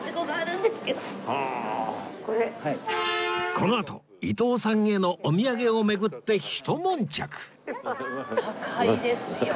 このあと伊東さんへのお土産を巡ってひと悶着